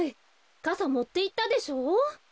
かさもっていったでしょ？